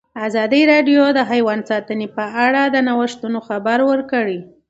ازادي راډیو د حیوان ساتنه په اړه د نوښتونو خبر ورکړی.